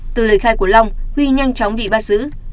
từ lời khai của long huy nhanh chóng bị bắt giữ